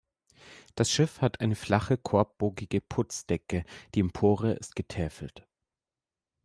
Das Schiff hat eine flache, korbbogige Putzdecke; die Empore ist getäfelt.